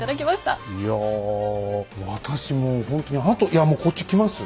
いや私もうほんとにあといやもうこっち来ます。